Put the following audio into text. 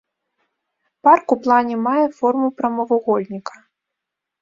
Парк у плане мае форму прамавугольніка.